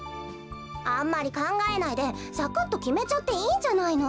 あんまりかんがえないでサクッときめちゃっていいんじゃないの？